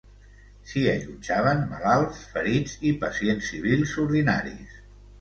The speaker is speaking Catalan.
S'hi allotjaven malalts, ferits i pacients civils ordinaris